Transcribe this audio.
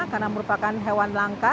karena merupakan hewan langka